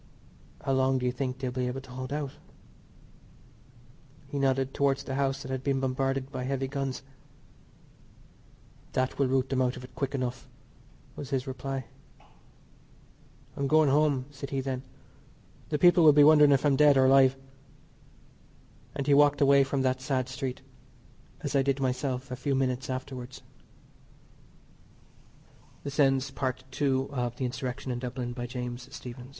"How long do you think they'll be able to hold out?" He nodded towards the house that had been bombarded by heavy guns. "That will root them out of it quick enough," was his reply. "I'm going home," said he then, "the people will be wondering if I'm dead or alive," and he walked away from that sad street, as I did myself a few minutes afterwards. CHAPTER IV. THURSDAY. Again, the rumours greeted one.